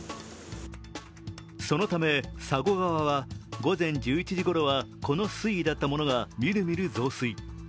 そのため佐護川は午前１１時ごろはこの水位だったものが、みるみる増水。